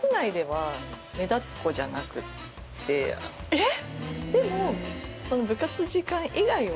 えっ⁉